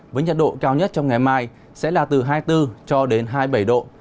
với nhiệt độ cao nhất trong ngày mai sẽ là từ hai mươi bốn cho đến hai mươi bảy độ